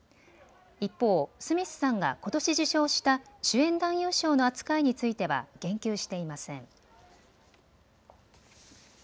一方、スミスさんがことし受賞した主演男優賞の扱いについては言及していません。